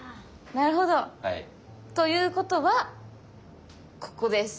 なるほど。ということはここです。